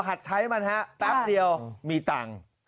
หัดใช้มันฮะแป๊บเดียวมีตังค์